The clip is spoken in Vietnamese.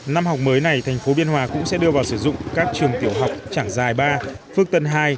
năm học mới này thành phố biên hòa cũng sẽ đưa vào sử dụng các trường tiểu học trảng dài ba phước tân hai